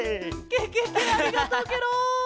ケケケありがとうケロ！